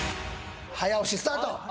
早押しスタート